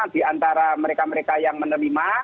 diantara mereka mereka yang menerima